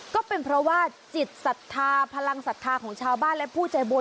ก็เป็นเพราะว่าจิตศรัทธาพลังศรัทธาของชาวบ้านและผู้ใจบุญ